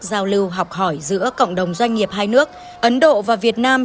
giao lưu học hỏi giữa cộng đồng doanh nghiệp hai nước ấn độ và việt nam